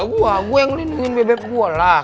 ada gue gue yang ngelindungin bebek gue lah